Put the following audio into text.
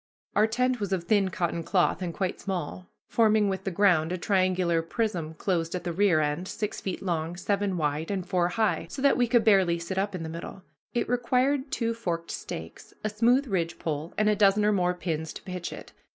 Our tent was of thin cotton cloth and quite small, forming with the ground a triangular prism closed at the rear end, six feet long, seven wide, and four high, so that we could barely sit up in the middle. It required two forked stakes, a smooth ridgepole, and a dozen or more pins to pitch it.